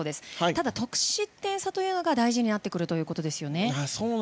ただ、得失点差というのが大事になってくるんですよね。